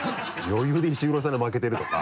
余裕で石黒さんに負けてるとか。